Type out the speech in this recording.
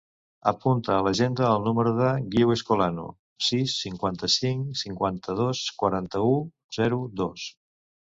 Apunta a l'agenda el número del Guiu Escolano: sis, cinquanta-cinc, cinquanta-dos, quaranta-u, zero, dos.